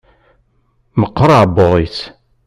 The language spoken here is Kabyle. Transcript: Meqqer aɛebbuḍ-is.